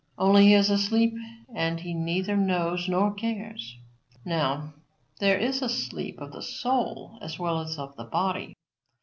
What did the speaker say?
Only, he is asleep and he neither knows nor cares. Now, there is a sleep of the soul as well as of the body.